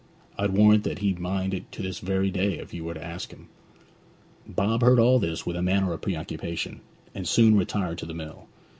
I'd warrant that he'd mind it to this very day if you were to ask him.' Bob heard all this with a manner of preoccupation, and soon retired to the mill.